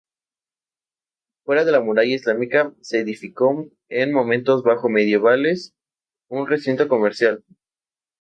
Fuera de la muralla islámica se edificó, en momentos bajo medievales, un recinto comercial.